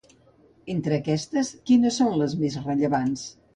Entre aquestes, quines són les més rellevants?